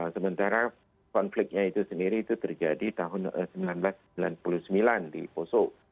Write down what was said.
sementara konfliknya itu sendiri itu terjadi tahun seribu sembilan ratus sembilan puluh sembilan di poso